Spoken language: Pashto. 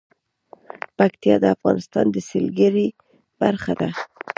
پکتیکا د افغانستان د سیلګرۍ برخه ده.